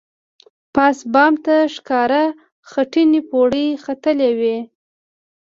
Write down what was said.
پاس بام ته ښکاره خټینې پوړۍ ختلې وې.